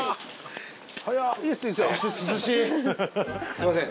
すみません